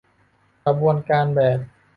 กระบวนการแบบ